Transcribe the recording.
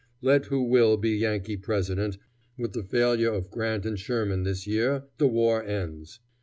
Let who will be Yankee President, with the failure of Grant and Sherman this year, the war ends.